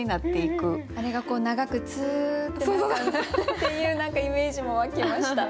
あれが長くツーッてなるっていう何かイメージも湧きました。